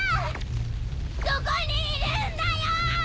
どこにいるんだよぉ！